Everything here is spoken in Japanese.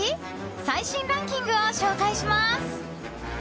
最新ランキングを紹介します。